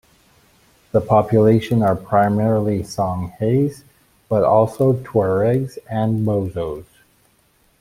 The population are primarily Songhais but also Tuaregs and Bozos.